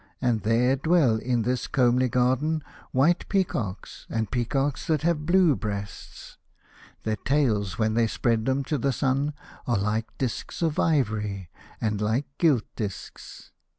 And there dwell in this comely garden white peacocks and peacocks that have blue breasts. Their tails when they spread them to the sun are like disks of ivory and like gilt disks.